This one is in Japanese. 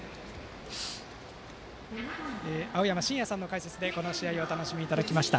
青山眞也さんの解説でこの試合をお楽しみいただきました。